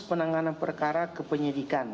penanganan perkara kepenyidikan